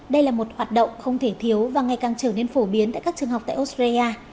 đây là một hoạt động không thể thiếu và ngày càng trở nên phổ biến tại các trường học tại australia